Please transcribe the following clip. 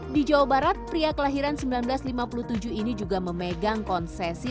di jawa barat pria kelahiran seribu sembilan ratus lima puluh tujuh ini juga memegang konsesi